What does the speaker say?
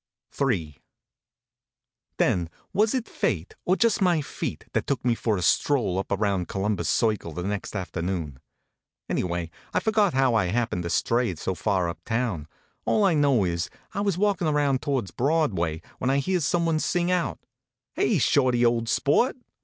Ill , was it Fate, or just my feet, that took me for a stroll up around Columbus Circle the next afternoon? Anyway, I forgot how I happened to stray so far uptown. All I know is that I was walkin around towards Broadway, when I hears some one sing out: "Hey, Shorty, old sport!"